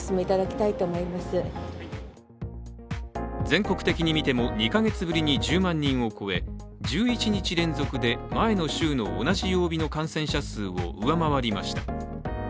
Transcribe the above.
全国的に見ても２か月ぶりに１０万人を超え１１日連続で前の週の同じ曜日の感染者数を上回りました。